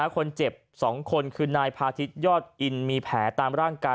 คนเจ็บ๒คนคือนายพาทิศยอดอินมีแผลตามร่างกาย